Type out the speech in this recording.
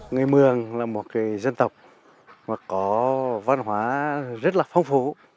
người mường là một dân tộc có văn hóa rất là phong phú